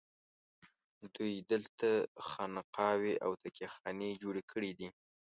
دوی دلته خانقاوې او تکیه خانې جوړې کړي دي.